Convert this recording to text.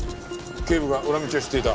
ケイブが裏道を知っていた。